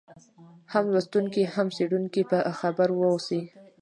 هم لوستونکی هم څېړونکی په خبر واوسي.